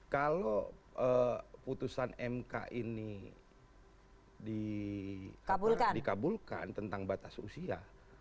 kalau putusan mk ini dikabulkan tentang batas usia